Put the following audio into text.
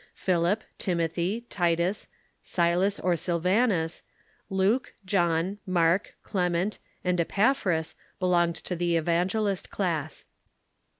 Philip, Timothy, Titus, Silas or Silvanus, Luke, John, Mark, Clement, and Epajjhras belonged to the evangelist class.